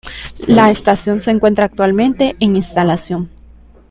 La estación se encuentra actualmente en instalación.